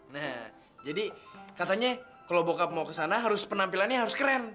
nah jadi katanya kalau bokap mau ke sana harus penampilannya harus keren